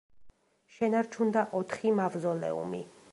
შენარჩუნდა ოთხი მავზოლეუმი.